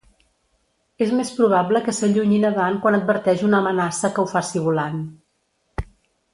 És més probable que s'allunyi nadant quan adverteix una amenaça que ho faci volant.